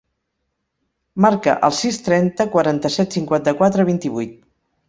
Marca el sis, trenta, quaranta-set, cinquanta-quatre, vint-i-vuit.